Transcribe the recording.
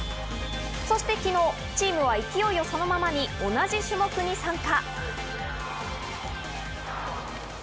そして昨日、チームは勢いをそのままに、同じ種目に参加。